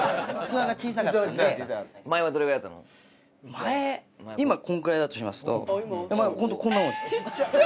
前今こんくらいだとしますとホントこんなもんです。